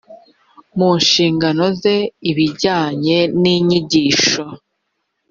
mu nshingano ze ibijyanye n inyigisho